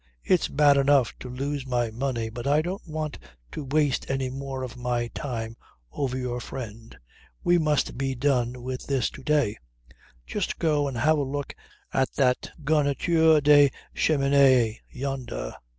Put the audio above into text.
It's bad enough to lose my money but I don't want to waste any more of my time over your friend. We must be done with this to day. Just go and have a look at that garniture de cheminee yonder.